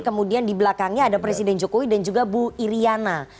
kemudian di belakangnya ada presiden jokowi dan juga bu iryana